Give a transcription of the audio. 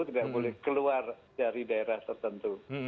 tidak boleh keluar dari daerah tertentu